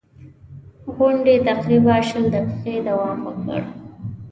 غونډې تقریباً شل دقیقې دوام وکړ.